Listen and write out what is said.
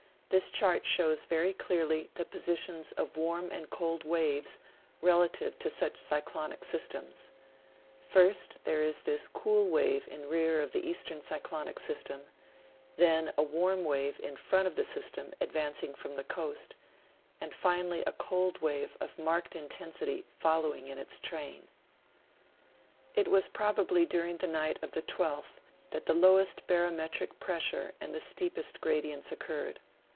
this chart shows very clearly the positions of warm and cold waves relative to such cyclonic systems: first there is this cool wave in rear of the eastern cyclonic system, then a warm wave in front of the system advancing from the coast, and finally a cold wave of marked intensity following in its train. It was probably during the night of the 12th that the lowest barometric pressure and the steepest gradients occurred.